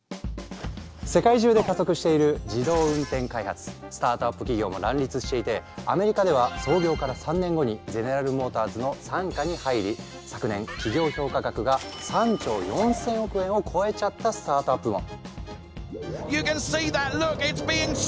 世界中で加速しているスタートアップ企業も乱立していてアメリカでは創業から３年後にゼネラルモーターズの傘下に入り昨年企業評価額が３兆４，０００億円を超えちゃったスタートアップも！